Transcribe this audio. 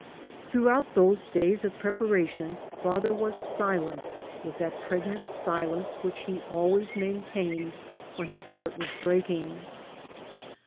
Throughout those days of preparation father was silent with that pregnant silence which he always main tained when his heart was breaking.